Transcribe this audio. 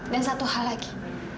dan satu hal lagi